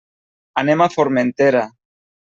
Anem a Formentera.